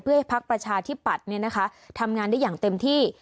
เพื่อให้พักประชาธิปัตย์ทำงานได้อย่างเต็มที่